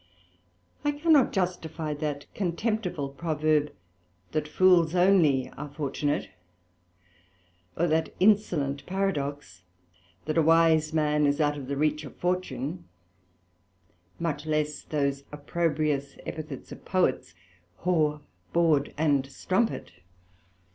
I cannot justifie that contemptible Proverb, That fools only are Fortunate; or that insolent Paradox, That a wise man is out of the reach of Fortune; much less those opprobrious epithets of Poets, Whore, Bawd, and Strumpet.